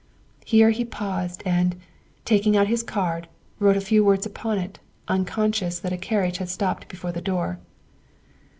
Here he paused and, taking out his card, wrote a few words upon it, unconscious that a carriage had stopped before the door.